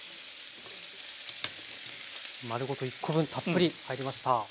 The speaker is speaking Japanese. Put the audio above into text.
丸ごと１コ分たっぷり入りました。